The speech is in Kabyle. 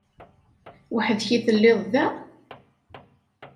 Weḥd-k i telliḍ da?